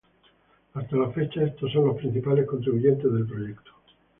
Hasta la fecha, estos son los principales contribuyentes del proyecto.